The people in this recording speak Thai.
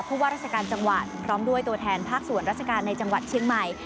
ว่าราชการจังหวัดพร้อมด้วยตัวแทนภาคส่วนราชการในจังหวัดเชียงใหม่